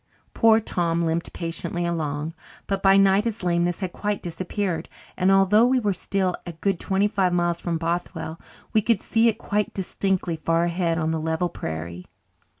Poor Tom limped patiently along. But by night his lameness had quite disappeared, and although we were still a good twenty five miles from Bothwell we could see it quite distinctly far ahead on the level prairie.